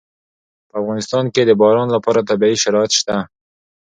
په افغانستان کې د باران لپاره طبیعي شرایط شته.